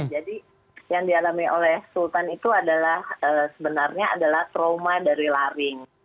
jadi yang dialami oleh sultan itu adalah sebenarnya adalah trauma dari laring